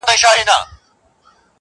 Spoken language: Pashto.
چي ما دي په تیاره کي تصویرونه وي پېیلي!